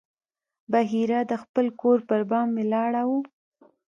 بحیرا د خپل کور پر بام ولاړ و.